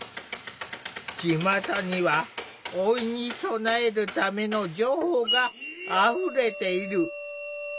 ちまたには老いに備えるための情報があふれている。